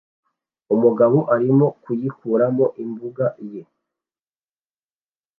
Umugabo arimo yikuramo imbuga ye